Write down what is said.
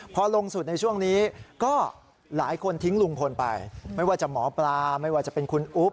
พอลงสุดในช่วงนี้ก็หลายคนทิ้งลุงพลไปไม่ว่าจะหมอปลาไม่ว่าจะเป็นคุณอุ๊บ